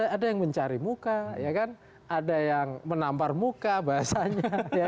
ada yang mencari muka ada yang menampar muka bahasanya